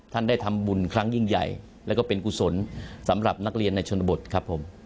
ท่านได้ทำบุญครั้งยิ่งใหญ่แล้วก็เป็นกุศลสำหรับนักเรียนในชนบทครับผม